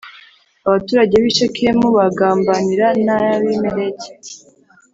abaturage b i Shekemu bagambanira n Abimeleki